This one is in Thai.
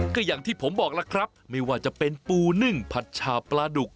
ก็อย่างที่ผมบอกแล้วครับไม่ว่าจะเป็นปูนึ่งผัดฉาบปลาดุก